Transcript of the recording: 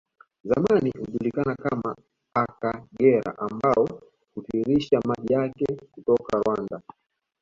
Zamani ukijulikana kama Akagera ambao hutiririsha maji yake kutoka Rwanda